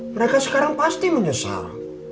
mereka sekarang pasti menyesal